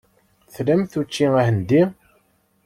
Tramt učči ahendi?